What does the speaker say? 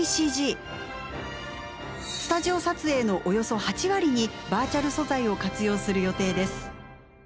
スタジオ撮影のおよそ８割にバーチャル素材を活用する予定です。